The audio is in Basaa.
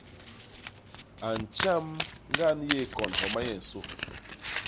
A ntjam ñgan yéé kon homa nyensô.